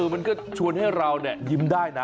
มันก็ชวนให้เรายิ้มได้นะ